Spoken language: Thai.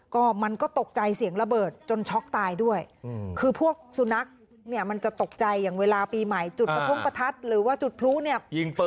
ก็มันก็ตกใจเสียงระเบิดจนช็อกตายด้วยคือพวกสุนัขเนี่ยมันจะตกใจอย่างเวลาปีใหม่จุดประท้งประทัดหรือว่าจุดพลุเนี่ย